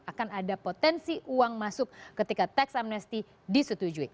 akan ada potensi uang masuk ketika tax amnesty disetujui